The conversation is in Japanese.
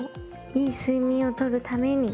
いい睡眠を取るために。